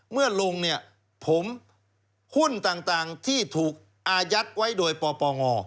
เมื่อลงเนี่ยผมหุ้นต่างที่ถูกอายัดไว้โดยปปง